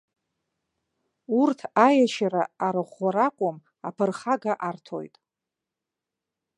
Урҭ аиашьара арыӷәӷәара акәым, аԥырхага арҭоит.